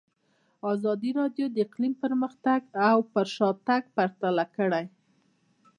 ازادي راډیو د اقلیم پرمختګ او شاتګ پرتله کړی.